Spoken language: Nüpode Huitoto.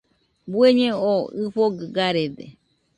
Bueñe oo ɨfogɨ garede.